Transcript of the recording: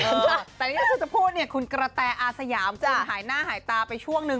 แต่นี่ถ้าจะพูดคุณกระแต่อาสยามหายหน้าหายตาไปช่วงนึง